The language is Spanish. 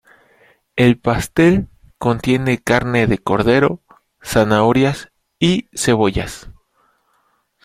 El pastel contiene carne de cordero, zanahorias y cebollas.